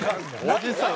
おじさん！